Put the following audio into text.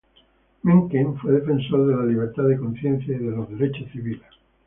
Mencken fue defensor de la libertad de conciencia y de los derechos civiles.